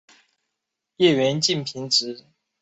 叶缘近平直。